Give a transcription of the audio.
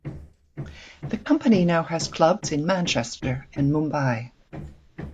The company now has clubs in Manchester and Mumbai.